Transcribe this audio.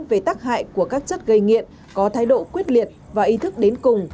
về tác hại của các chất gây nghiện có thái độ quyết liệt và ý thức đến cùng